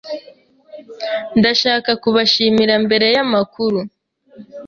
Ndashaka kubashimira mbere yamakuru.